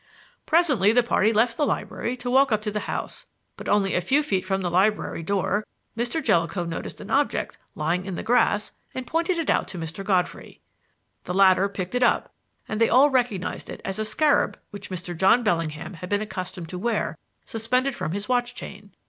"Presently the party left the library to walk up to the house; but only a few feet from the library door Mr. Jellicoe noticed an object lying in the grass and pointed it out to Mr. Godfrey. "The latter picked it up, and they all recognized it as a scarab which Mr. John Bellingham had been accustomed to wear suspended from his watch chain.